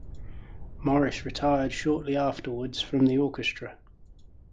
Morris retired shortly afterwards from the orchestra.